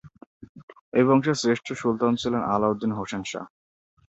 এই বংশের শ্রেষ্ঠ সুলতান ছিলেন আলাউদ্দিন হোসেন শাহ।